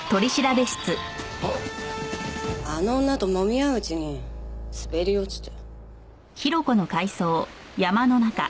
あの女と揉み合ううちに滑り落ちて。